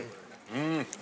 うん。